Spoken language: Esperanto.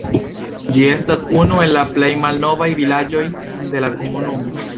Ĝi estas unu el la plej malnovaj vilaĝoj de la komunumo.